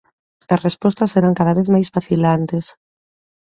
As respostas eran cada vez máis vacilantes.